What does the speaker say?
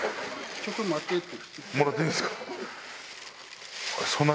ちょっと持ってって。